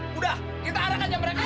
sudah kita anggap mereka